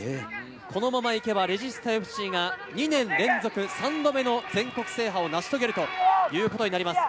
このまま行けばレジスタＦＣが２年連続３度目の全国制覇を成し遂げるということになります。